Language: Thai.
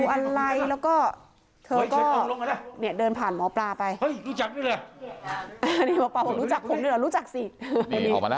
คุณปุ้ยอายุ๓๒นางความร้องไห้พูดคนเดี๋ยว